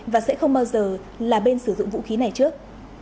và sẽ không bao giờ là bên sử dụng vũ khí này trước